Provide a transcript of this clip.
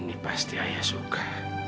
ini pasti ayah suka